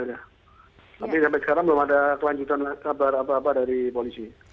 tapi sampai sekarang belum ada kelanjutan kabar apa apa dari polisi